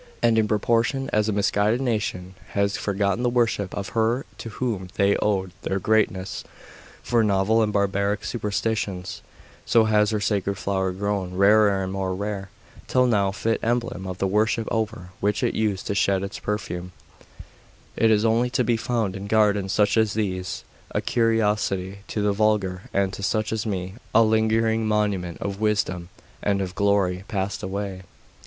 And in proportion as a misguided nation has forgotten the worship of her to whom they owed their greatness, for novel and barbaric superstitions, so has her sacred flower grown rarer and more rare, till now fit emblem of the worship over which it used to shed its perfume it is only to be found in gardens such as these a curiosity to the vulgar, and, to such as me, a lingering monument of wisdom and of glory past away.